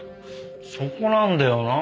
そこなんだよなあ。